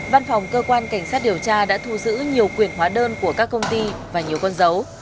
văn phòng cơ quan cảnh sát điều tra đã thu giữ nhiều quyền hóa đơn của các công ty và nhiều con dấu